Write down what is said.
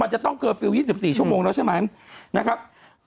จะต้องเคอร์ฟิลล์๒๔ชั่วโมงแล้วใช่ไหมนะครับ